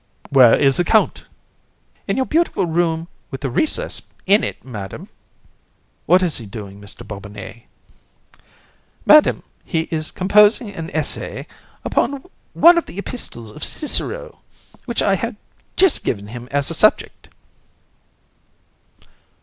COUN. Where is the Count? BOB. In your beautiful room, with a recess in it, Madam. COUN. What is he doing, Mr. Bobinet? BOB. Madam, he is composing an essay upon one of the epistles of Cicero, which I have just given him as a subject.